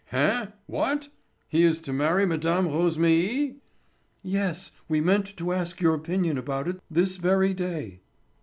"Heh? What? He is to marry Mme. Rosémilly?" "Yes, we meant to ask your opinion about it this very day."